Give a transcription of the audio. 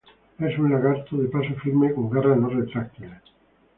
Es un lagarto de paso firme con garras no retráctiles.